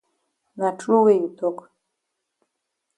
Na true wey you tok.